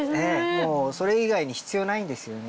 もうそれ以外に必要ないんですよね。